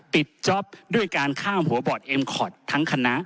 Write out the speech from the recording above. จ๊อปด้วยการข้ามหัวบอร์ดเอ็มคอร์ดทั้งคณะ